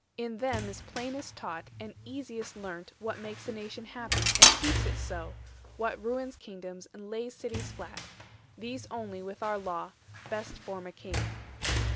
360 In them is plainest taught, and easiest learnt, What makes a nation happy, and keeps it so, What ruins kingdoms, and lays cities flat; These only, with our Law, best form a king."